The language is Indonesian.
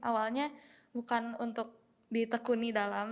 awalnya bukan untuk ditekuni dalam